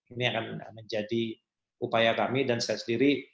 ini akan menjadi upaya kami dan saya sendiri